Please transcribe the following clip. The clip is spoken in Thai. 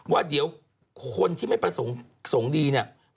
ว่าเดี๋ยวคนที่ไม่ประสงค์ดีเนี่ย